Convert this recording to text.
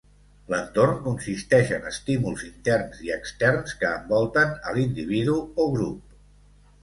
L'entorn consisteix en estímuls interns i externs que envolten a l'individu o grup.